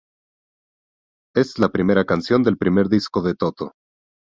Es la primera canción del primer disco de Toto.